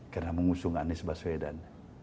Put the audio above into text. karena mengusung anies baswedan